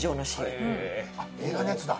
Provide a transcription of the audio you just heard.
あっ映画のやつだ。